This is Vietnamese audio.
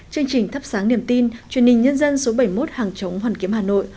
chương trình thắp sáng niềm tin truyền hình nhân dân số bảy mươi một hàng chống hoàn kiếm hà nội